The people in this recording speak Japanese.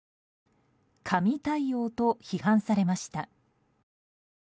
紙対応と批判されました。